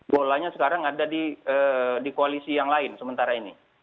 bolanya sekarang ada di koalisi yang lain sementara ini